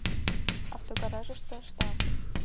Автогаражыште ышта.